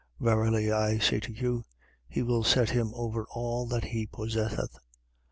12:44. Verily I say to you, he will set him over all that he possesseth. 12:45.